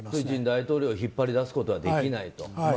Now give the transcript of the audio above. プーチン大統領を引っ張り出すことはできないと。